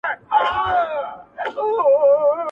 • بل وايي دود بل وايي جرم,